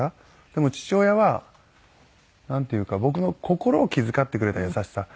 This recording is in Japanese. でも父親はなんていうか僕の心を気遣ってくれた優しさ。